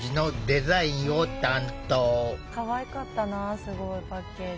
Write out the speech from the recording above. かわいかったなすごい。パッケージ。